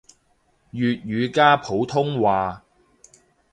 粵語加普通話